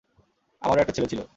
আমারও একটা ছেলে ছিল।